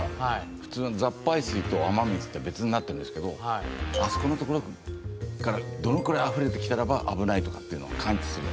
普通雑排水と雨水って別になってるんですけどあそこの所からどのくらいあふれてきたらば危ないとかっていうのを感知するような。